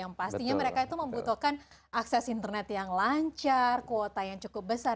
yang pastinya mereka itu membutuhkan akses internet yang lancar kuota yang cukup besar